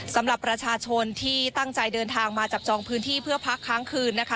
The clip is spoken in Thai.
สำหรับประชาชนที่ตั้งใจเดินทางมาจับจองพื้นที่เพื่อพักค้างคืนนะคะ